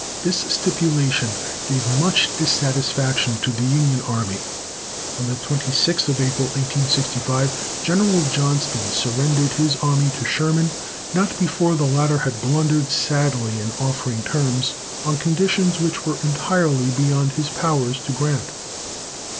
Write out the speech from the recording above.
This stipulation gave much dissatisfaction to the Union army. On the 26th April, 1865, General Johnston surrendered his army to Sherman, not before the latter had blundered sadly in offering terms on conditions which were entirely beyond his powers to grant.